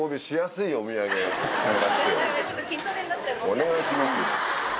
お願いしますよ。